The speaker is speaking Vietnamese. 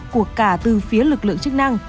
của cả từ phía lực lượng chức năng